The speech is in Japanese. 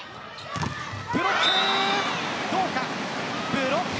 ブロック。